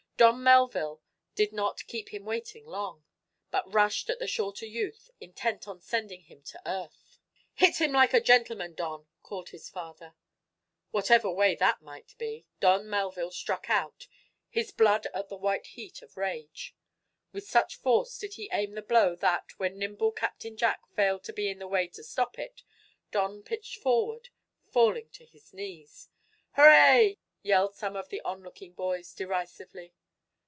Don Melville did not keep him long waiting, but rushed at the shorter youth, intent on sending him to earth. "Hit him like a gentleman, Don!" called his father. Whatever way that might be, Don Melville struck out, his blood at the white heat of rage. With such force did he aim the blow that, when nimble Captain Jack failed to be in the way to stop it, Don pitched forward, falling to his knees. "Hooray!" yelled some of the on looking boys, derisively.